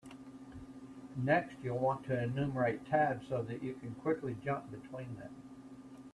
Next, you'll want to enumerate tabs so you can quickly jump between them.